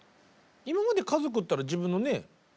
今まで家族っていったら自分のね